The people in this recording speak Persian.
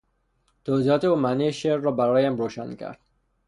توضیحات او معنی شعر را برایم روشن کرد.